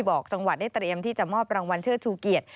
บอกจังหวัดได้เตรียมที่จะมอบรางวัลเชิดชูเกียรติ